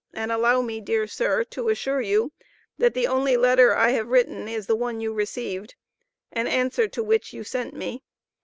and allow me dear sir, to assure you that the only letter I have written, is the one you received, an answer to which you sent me.